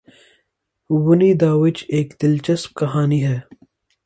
ونی داوچ ایک دلچسپ کہانی ہے۔